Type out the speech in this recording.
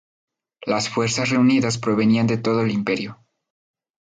Las fuerzas reunidas provenían de todo el Imperio.